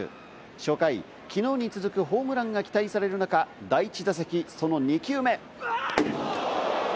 初回、昨日に続くホームランが期待される中、第１打席、その２球目。